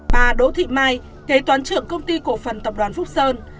bà đỗ thị mai kế toán trưởng công ty cổ phần tập đoàn phúc sơn